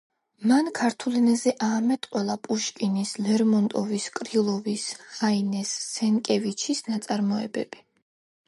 მან ქართულ ენაზე აამეტყველა პუშკინის, ლერმონტოვის, კრილოვის, ჰაინეს, სენკევიჩის ნაწარმოებები.